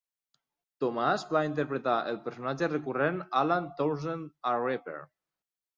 Thomas va interpretar el personatge recurrent Alan Townsend a Reaper.